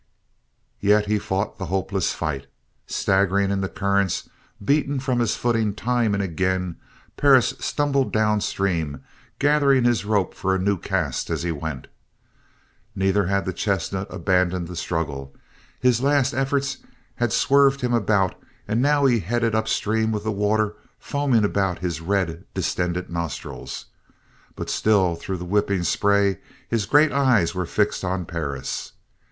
Yet he fought the hopeless fight. Staggering in the currents, beaten from his footing time and again, Perris stumbled down stream gathering his rope for a new cast as he went. Neither had the chestnut abandoned the struggle. His last efforts had swerved him about and now he headed up stream with the water foaming about his red, distended nostrils; but still through the whipping spray his great eyes were fixed on Perris.